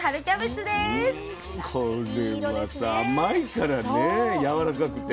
これはさ甘いからねやわらかくて。